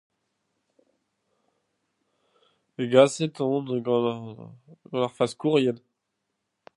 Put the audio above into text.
Hegaset on gant... gant ar faskourien.